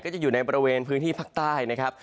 จะอยู่ในบริเวณพื้นที่ภาคใต้นะครับ